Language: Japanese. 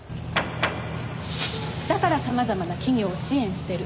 だから様々な企業を支援してる。